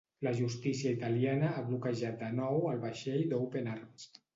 La justícia italiana ha bloquejat de nou el vaixell d'Open Arms.